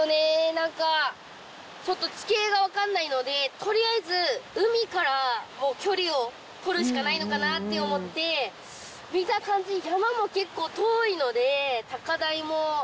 何かちょっと地形が分かんないのでとりあえず海からもう距離をとるしかないのかなって思ってして頑張りたいと思います